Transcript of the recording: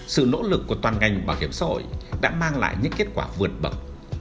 sự nỗ lực của toàn ngành bảo hiểm xã hội đã mang lại những kết quả vượt bậc